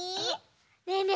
ねえねえ